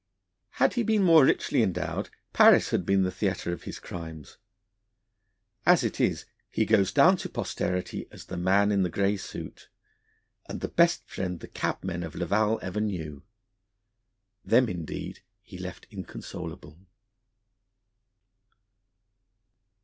Had he been more richly endowed, Paris had been the theatre of his crimes. As it is, he goes down to posterity as the Man in the Grey Suit, and the best friend the cabmen of Laval ever knew. Them, indeed, he left inconsolable.